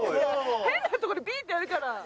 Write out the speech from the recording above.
変なとこでピッてやるから。